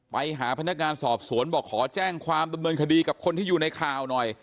ไปหาพนักงานสอบสวนบอกขอแจ้งความดำเนินคดีกับคนที่อยู่ในข่าวหน่อย